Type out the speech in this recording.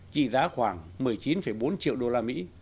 trị giá khoảng một mươi chín bốn triệu usd